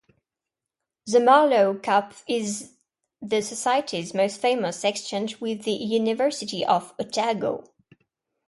The Marlowe Cup is the societies most famous exchange with the University of Otago.